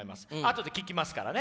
後で聞きますからね。